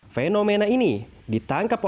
fenomena ini ditangkapkan